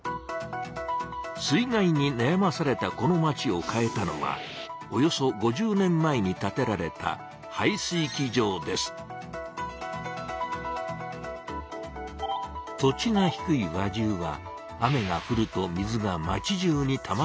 水害になやまされたこの町を変えたのはおよそ５０年前に建てられた土地が低い輪中は雨がふると水が町じゅうにたまってしまいます。